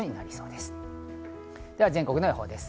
では、全国の予報です。